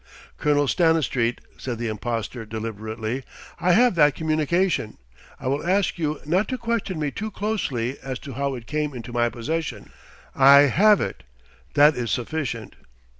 "Colonel Stanistreet," said the impostor deliberately, "I have that communication. I will ask you not to question me too closely as to how it came into my possession. I have it: that is sufficient."